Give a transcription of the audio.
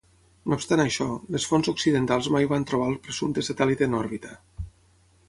No obstant això, les fonts occidentals mai van trobar el presumpte satèl·lit en òrbita.